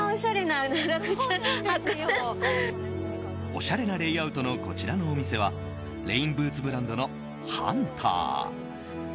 おしゃれなレイアウトのこちらのお店はレインブーツブランドのハンター。